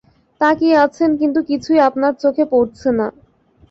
তাকিয়ে আছেন, কিন্তু কিছুই আপনার চোখে পড়ছে না।